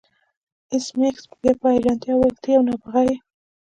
ایس میکس بیا په حیرانتیا وویل ته یو نابغه یې